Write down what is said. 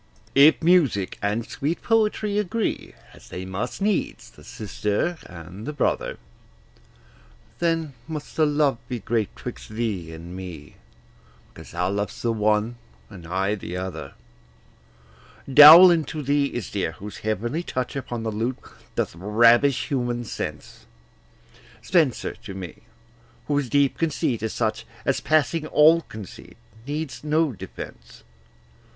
If music and sweet poetry agree, As they must needs, the sister and the brother, Then must the love be great 'twixt thee and me, Because thou lovest the one, and I the other. Dowland to thee is dear, whose heavenly touch Upon the lute doth ravish human sense; Spenser to me, whose deep conceit is such As, passing all conceit, needs no defence.